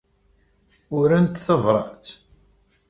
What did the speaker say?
Urant tabṛat?